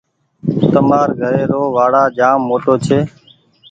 تمآر گھري رو وآڙآ جآم موٽو ڇي۔